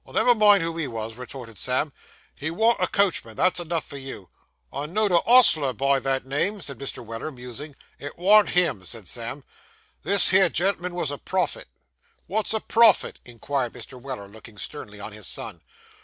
'Never mind who he was,' retorted Sam; 'he warn't a coachman; that's enough for you.' I know'd a ostler o' that name,' said Mr. Weller, musing. 'It warn't him,' said Sam. 'This here gen'l'm'n was a prophet.' 'Wot's a prophet?' inquired Mr. Weller, looking sternly on his son.